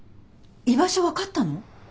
居場所分かったの？